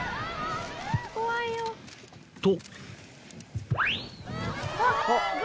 ［と］